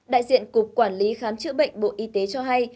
đại diện cục quản lý khám chữa bệnh bộ y tế cho hay